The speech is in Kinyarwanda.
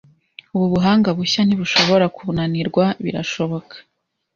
Ubu buhanga bushya ntibushobora kunanirwa, birashoboka?